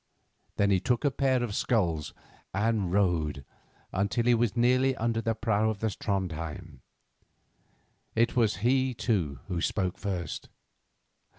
Then he took a pair of sculls and rowed until he was nearly under the prow of the Trondhjem. It was he, too, who spoke first.